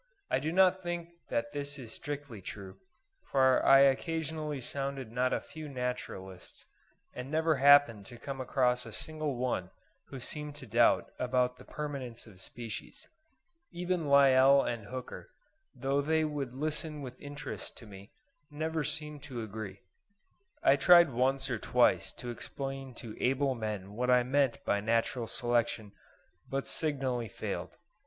I do not think that this is strictly true, for I occasionally sounded not a few naturalists, and never happened to come across a single one who seemed to doubt about the permanence of species. Even Lyell and Hooker, though they would listen with interest to me, never seemed to agree. I tried once or twice to explain to able men what I meant by Natural Selection, but signally failed.